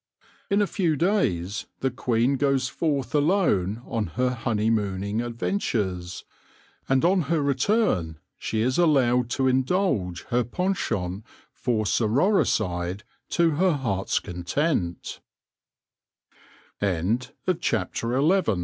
In a few days the queen goes forth alone on her honeymooning adventures ; and on her return she is allowed to indulge her penchant for sororicide to her h